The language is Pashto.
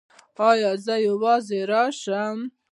ایا زه یوازې راشم؟